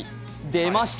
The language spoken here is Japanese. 出ました！